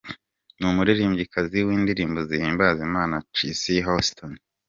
n’umuririmbyikazi w’indirimbo zihimbaza Imana Cissy Houston.